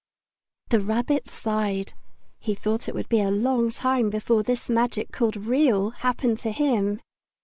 The Rabbit sighed. He thought it would be a long time before this magic called Real happened to him.